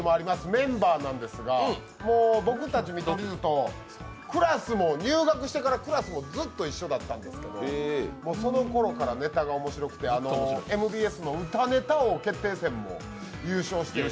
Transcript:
メンバーなんですが、もう僕たちと入学してからクラスもずっと一緒なんですけどそのころからネタが面白くて、ＭＢＳの「歌ネタ王決定戦」も優勝してる。